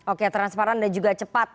oke transparan dan juga cepat